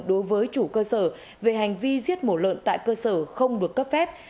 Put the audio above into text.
đối với chủ cơ sở về hành vi giết mổ lợn tại cơ sở không được cấp phép